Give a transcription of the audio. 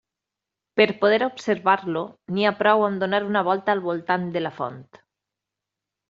Per poder observar-lo, n'hi ha prou amb donar una volta al voltant de la font.